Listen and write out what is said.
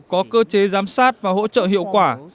có cơ chế giám sát và hỗ trợ hiệu quả